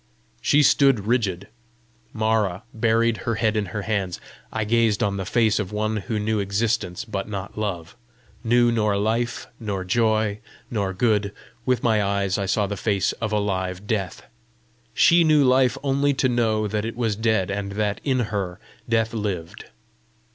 She stood rigid. Mara buried her head in her hands. I gazed on the face of one who knew existence but not love knew nor life, nor joy, nor good; with my eyes I saw the face of a live death! She knew life only to know that it was dead, and that, in her, death lived.